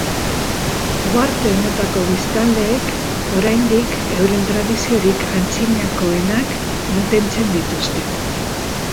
Uharte honetako biztanleek, oraindik euren tradiziorik antzinakoenak mantentzen dituzte.